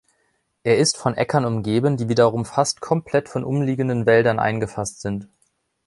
Er ist von Äckern umgeben, die wiederum fast komplett von umliegenden Wäldern eingefasst sind.